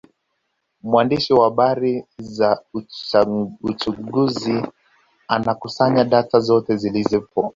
Mwandishi wa habari za uchunguzi anakusanya data zote zilizopo